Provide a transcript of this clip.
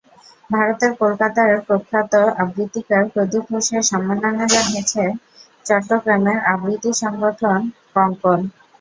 ভারতের কলকাতার প্রখ্যাত আবৃত্তিকার প্রদীপ ঘোষকে সম্মাননা জানিয়েছে চট্টগ্রামের আবৃত্তি সংগঠন ক্বণন।